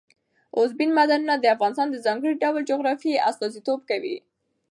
اوبزین معدنونه د افغانستان د ځانګړي ډول جغرافیه استازیتوب کوي.